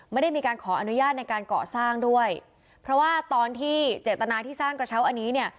ไม่ได้มีการขออนุญาตในการก่อสร้างด้วยเพราะว่าตอนที่เจตนาที่สร้างกระเช้าอันนี้เนี่ย